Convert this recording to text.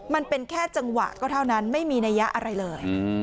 มันเป็นแค่จังหวะก็เท่านั้นไม่มีนัยยะอะไรเลย